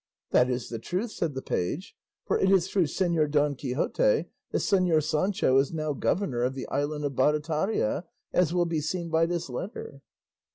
"That is the truth," said the page; "for it is through Señor Don Quixote that Señor Sancho is now governor of the island of Barataria, as will be seen by this letter."